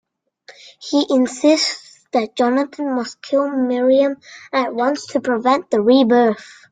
He insists that Jonathan must kill Miriam at once to prevent the rebirth.